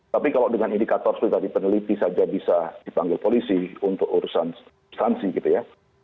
tapi kalau dengan indikator seperti tadi peneliti saja bisa dipanggil polisi untuk urusan substansi gitu ya